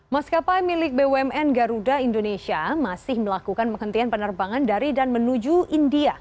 maskapai milik bumn garuda indonesia masih melakukan penghentian penerbangan dari dan menuju india